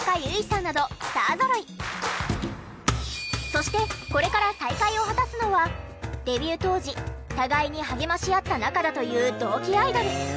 そしてこれから再会を果たすのはデビュー当時互いに励まし合った仲だという同期アイドル。